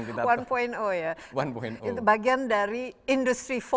itu bagian dari industri empat